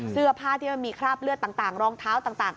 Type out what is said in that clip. เสื้อผ้าที่มันมีคราบเลือดต่างรองเท้าต่าง